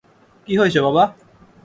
কী হয়েছে, বাবা?